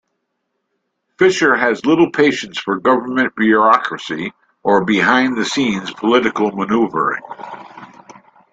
Fisher has little patience for government bureaucracy or behind-the-scenes political maneuvering.